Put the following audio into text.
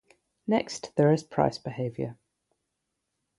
Next, there is price behavior.